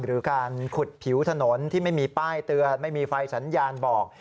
หรือการขุดผิวถนนที่ไม่มีป้ายเตือนไม่มีไฟสัญญาณบอก